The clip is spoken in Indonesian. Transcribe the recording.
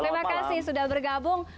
terima kasih sudah bergabung